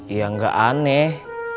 iya gak aneh